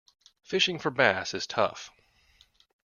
Fishing for bass is tough.